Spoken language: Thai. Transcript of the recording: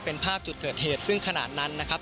เป็นภาพจุดเกิดเหตุซึ่งขนาดนั้นนะครับ